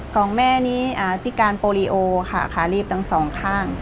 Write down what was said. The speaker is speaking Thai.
ของแม่นี้พิการโปรลีโอค่ะขาลีบทั้งสองข้าง